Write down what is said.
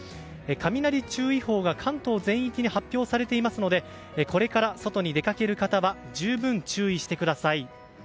雷注意報が関東全域に発表されていますのでこれから外に出かける方は十分、注意してください。